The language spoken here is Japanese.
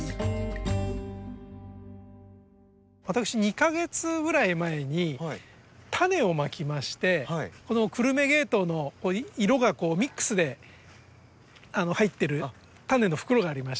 私２か月ぐらい前に種をまきましてこの久留米ケイトウの色がミックスで入ってる種の袋がありましてね